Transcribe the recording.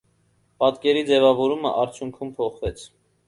Պատկերի ձևավորումը արդյունքում փոխվեց։